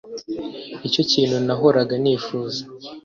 nicyo kintu nahoraga nifuza